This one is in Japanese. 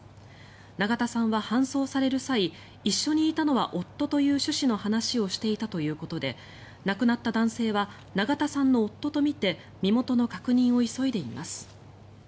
永田さんは搬送される際一緒にいたのは夫という趣旨の話をしていたということで亡くなった男性は永田さんの夫とみて身元の確認を急いでいます。